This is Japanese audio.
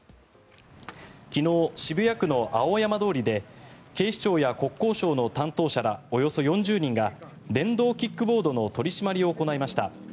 昨日、渋谷区の青山通りで警視庁や国交省の担当者らおよそ４０人が電動キックボードの取り締まりを行いました。